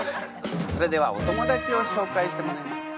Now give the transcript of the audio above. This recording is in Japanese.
それではお友達を紹介してもらえますか？